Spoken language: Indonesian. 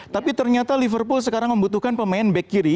tapi ternyata liverpool sekarang membutuhkan pemain back kiri